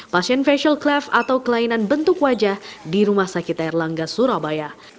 pasien facial craft atau kelainan bentuk wajah di rumah sakit air langga surabaya